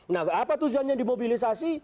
nah apa tujuannya dimobilisasi